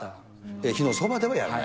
火のそばではやらない。